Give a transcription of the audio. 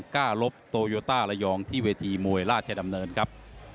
กล้าลบโตโยต้าระยองที่เวทีมวยราชดำเนินครับ